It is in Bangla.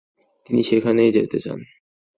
তিনি সেখানেই থেকে যান।